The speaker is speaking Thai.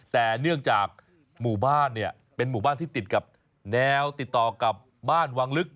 แต่เนื่องจากหมู่บ้านเนี่ยเป็นหมู่บ้านที่ติดกับแนวติดต่อกับบ้านวังลึก